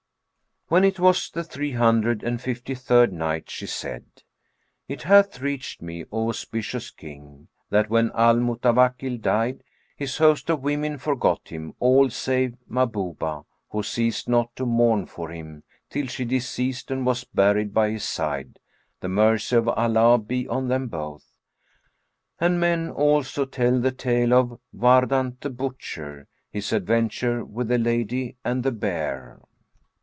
When it was the Three Hundred and Fifty third Night, She said, It hath reached me, O auspicious King, that when Al Mutawakkil died, his host of women forgot him all save Mahbubah who ceased not to mourn for him, till she deceased and was buried by his side, the mercy of Allah be on them both! And men also tell the tale of WARDAN[FN#430] THE BUTCHER; HIS ADVENTURE WITH THE LADY AND THE BEAR.